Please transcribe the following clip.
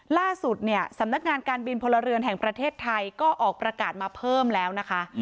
ล่าสุดเนี่ยสำนักงานการบินพลเรือนแห่งประเทศไทยก็ออกประกาศมาเพิ่มแล้วนะคะ